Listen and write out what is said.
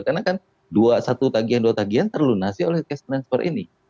karena kan dua satu tagihan dua tagihan terlunasi oleh cash transfer ini